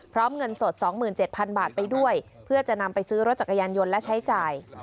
พร้อมเงินสดสองหมื่นเจ็ดพันบาทไปด้วยเพื่อจะนำไปซื้อรถจักรยานยนต์และใช้จ่าย